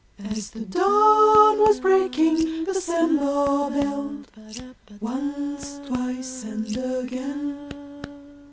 As the dawn was breaking the Sambhur belled Once, twice and again!